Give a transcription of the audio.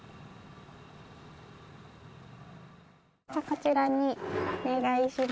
こちらにお願いします。